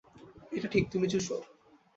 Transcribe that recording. এটা ঠিক, তুমি চুষো।